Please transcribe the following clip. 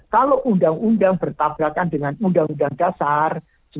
kalau undang undang bertabrakan dengan undang undang dasar seribu sembilan ratus empat puluh